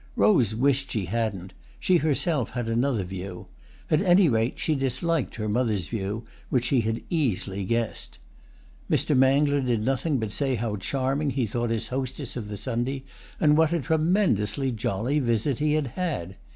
Rose wished she hadn't—she herself had another view. At any rate she disliked her mother's view, which she had easily guessed. Mr. Mangler did nothing but say how charming he thought his hostess of the Sunday, and what a tremendously jolly visit he had had.